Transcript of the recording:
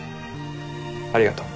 ありがとう。